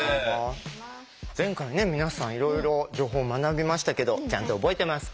前回ね皆さんいろいろ情報学びましたけどちゃんと覚えてますか？